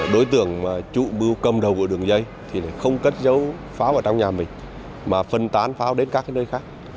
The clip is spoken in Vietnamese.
đối tượng chủ mưu cầm đầu của đường dây thì không cất dấu pháo ở trong nhà mình mà phân tán pháo đến các nơi khác